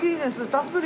たっぷり。